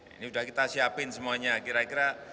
ini sudah kita siapin semuanya kira kira